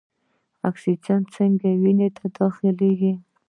اکسیجن څنګه وینې ته داخلیږي؟